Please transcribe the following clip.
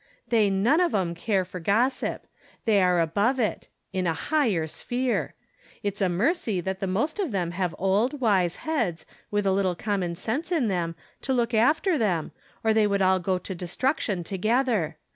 " They none of 'em care for gossip. They are above it — ^in a higher sphere. It's a mercy that the most of them have old, wise heads, with a little ' common sense in them, to look after them, or they would all go to destruction together.